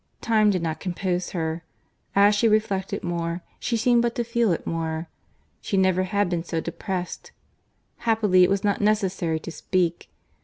Time did not compose her. As she reflected more, she seemed but to feel it more. She never had been so depressed. Happily it was not necessary to speak.